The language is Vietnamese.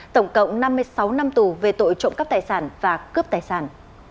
tổng cộng năm mươi sáu năm tù về tội trộm cắp tài sản và cướp tài sản